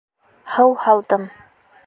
Һыу һалдым.